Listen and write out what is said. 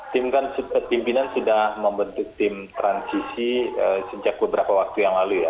tim kan pimpinan sudah membentuk tim transisi sejak beberapa waktu yang lalu ya